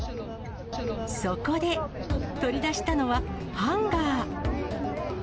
そこで取り出したのは、ハンガー。